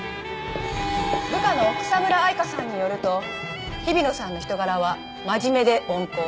部下の草村愛花さんによると日比野さんの人柄は真面目で温厚。